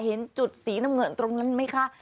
เห็นจุดสีน้ำเงินตรงนั้นไหมคะ